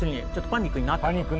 パニックになったと。